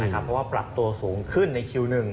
เพราะว่าปรับตัวสูงขึ้นในคิว๑